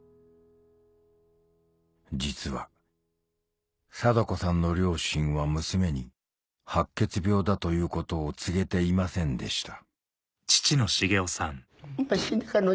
実は禎子さんの両親は娘に白血病だということを告げていませんでした